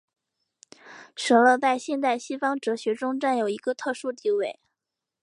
舍勒在现代西方哲学中占有一个特殊地位。